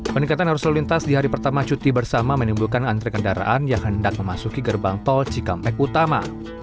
peningkatan arus lalu lintas di hari pertama cuti bersama menimbulkan antre kendaraan yang hendak memasuki gerbang tol cikampek utama